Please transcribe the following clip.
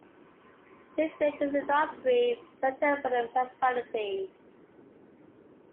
The village is an industry centre for the municipality.